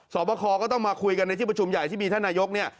สอบประคอก็ต้องมาคุยกันในที่ประชุมใหญ่ที่มีท่านนายกเนี่ย